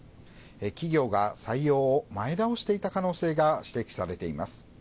企業が採用を前倒していた可能性が指摘されています。